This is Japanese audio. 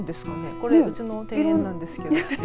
これうちの庭園なんですけどね。